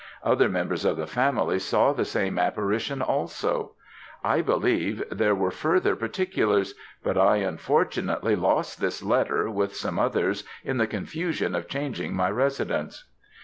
Other members of the family saw the same apparition also. I believe there were further particulars; but I unfortunately lost this letter, with some others, in the confusion of changing my residence.